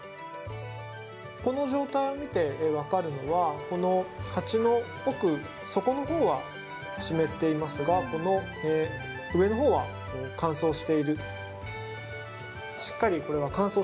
この状態を見て分かるのはこの鉢の奥底の方は湿っていますがこの上の方は乾燥している。